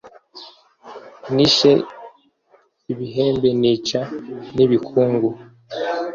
nishe ibihembe nica n'ibikungu,